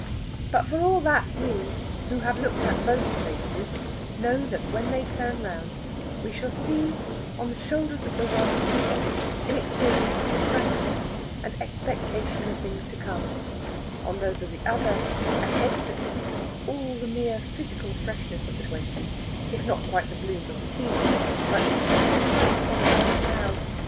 But for all that we, who have looked at both faces, know that when they turn round we shall see on the shoulders of the one youth, inexperience, frankness, and expectation of things to come; on those of the other a head that keeps all the mere physical freshness of the twenties, if not quite the bloom of the teens, but expressed Heaven knows how!